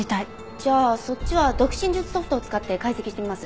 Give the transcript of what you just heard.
じゃあそっちは読唇術ソフトを使って解析してみます。